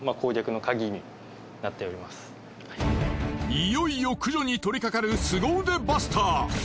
いよいよ駆除に取りかかるスゴ腕バスター。